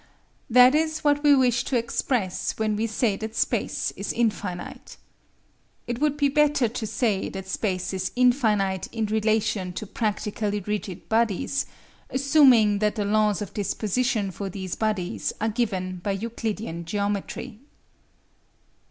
That is what we wish to express when we say that space is infinite. It would be better to say that space is infinite in relation to practically rigid bodies, assuming that the laws of disposition for these bodies are given by Euclidean geometry.